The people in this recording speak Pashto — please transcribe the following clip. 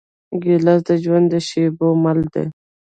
ګیلاس د ژوند د شېبو مل دی.